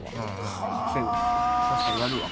確かにやるわ。